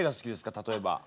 例えば。